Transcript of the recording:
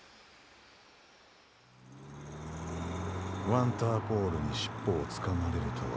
ワンターポールにしっぽをつかまれるとは。